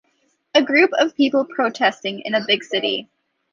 A group of people protesting in a big city.